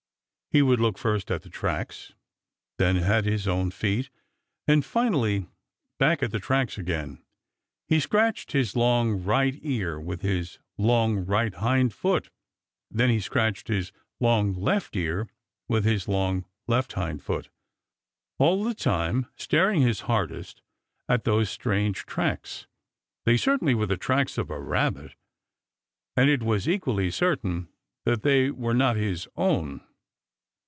He would look first at the tracks, then at his own feet, and finally back at the tracks again. He scratched his long right ear with his long right hind foot. Then he scratched his long left ear with his long left hind foot, all the time staring his hardest at those strange tracks. They certainly were the tracks of a Rabbit, and it was equally certain that they were not his own.